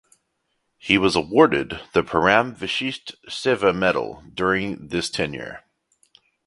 He was awarded the Param Vishisht Seva Medal during this tenure.